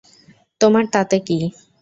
তোমার তাতে কী?